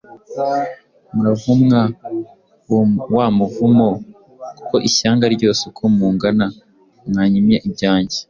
Muravumwa wa muvumo; kuko ishyanga ryose uko mungana mwanyimye ibyange